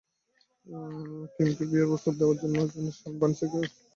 কিমকে বিয়ের প্রস্তাব দেওয়ার জন্য সান ফ্রান্সিসকোর এটিঅ্যান্ডটি পার্ক স্টেডিয়াম ভাড়া করেন কেনি।